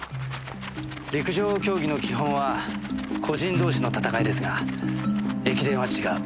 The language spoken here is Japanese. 陸上競技の基本は個人同士の戦いですが駅伝は違う。